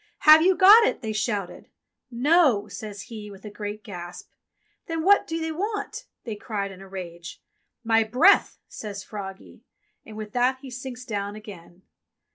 "Have you got it ?" they shouted. "No !" says he, with a great gasp. "Then what do you want ?" they cried in a rage. "My breath," says froggie, and with that he sinks down again.